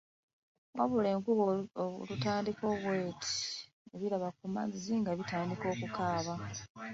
Wabula, enkuba olutandika bw’eti ne biraba ku mazzi nga bitandika okukaaba.